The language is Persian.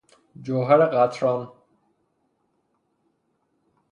جوهر قطران